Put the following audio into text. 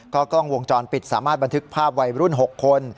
กล้องวงจรปิดสามารถบันทึกภาพวัยรุ่น๖คน